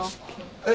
えっ！？